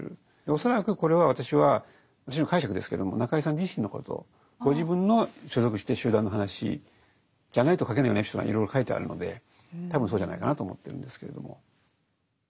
恐らくこれは私は私の解釈ですけどもご自分の所属してる集団の話じゃないと書けないようなエピソードがいろいろ書いてあるので多分そうじゃないかなと思ってるんですけれども。